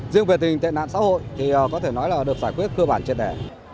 riêng về tình hình tệ nạn xã hội thì có thể nói là được giải quyết cơ bản trên đẻ